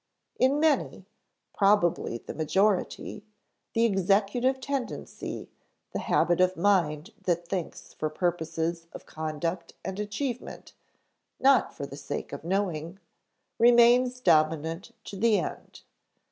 In many (probably the majority) the executive tendency, the habit of mind that thinks for purposes of conduct and achievement, not for the sake of knowing, remains dominant to the end.